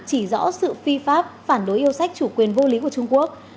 chỉ rõ sự phi pháp phản đối yêu sách chủ quyền vô lý của trung quốc